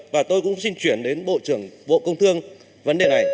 và tôi cũng xin chuyển đến bộ trưởng bộ công thương vấn đề này